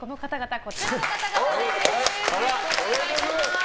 こちらの方々です。